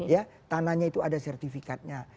ya tanahnya itu ada sertifikatnya